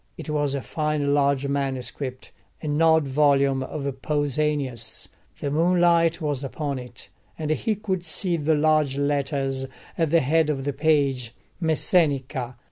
It was a fine large manuscript, an odd volume of Pausanias. The moonlight was upon it, and he could see the large letters at the head of the page: ΜΕΣΣΕΝΙΚΑ.